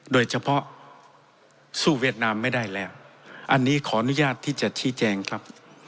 โดยเฉพาะสู้เวียดนามไม่ได้แล้วอันนี้ขออนุญาตที่จะชี้แจงครับ